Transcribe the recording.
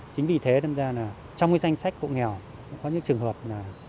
chính vì thế trong danh sách hộ nghèo có những trường hợp là